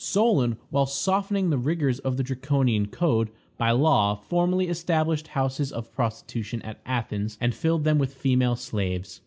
Solon, while softening the rigors of the Draconian code, by law formally established houses of prostitution at Athens, and filled them with female slaves.